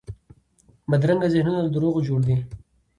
بدرنګه ذهنونه له دروغو جوړ دي